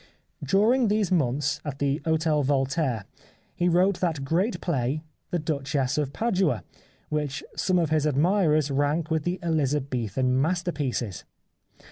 During those months at the Hotel Voltaire he wrote that great play " The Duchess of Padua," which some of his admirers rank with the Elizabethan master pieces.